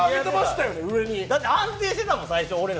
だって、安定してたもん、俺ら最初。